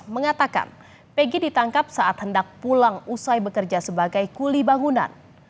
mengatakan pg ditangkap saat hendak pulang usai bekerja sebagai kuli bangunan